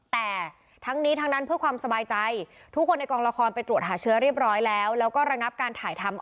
แต่ทั้งนี้ทั้งนั้นเพื่อความสบายใจทุกคนในกองละครไปตรวจหาเชื้อเรียบร้อยแล้วแล้วก็ระงับการถ่ายทำ